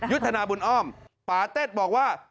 ยุทธนาบุญอ้อมปาเต็ดบอกว่า